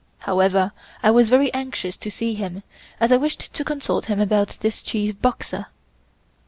However, I was very anxious to see him, as I wished to consult him about this chief Boxer.